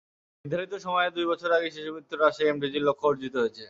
নির্ধারিত সময়ের দুই বছর আগেই শিশুমৃত্যু হ্রাসে এমডিজির লক্ষ্য অর্জিত হয়েছে।